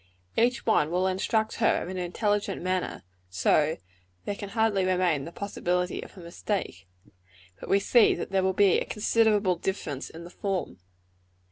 Each one will instruct her in an intelligent manner, so that there can hardly remain the possibility of a mistake; but we see that there will be a considerable difference in the form.